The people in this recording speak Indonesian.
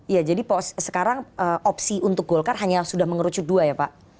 ya jadi sekarang opsi untuk golkar hanya sudah mengerucut dua ya pak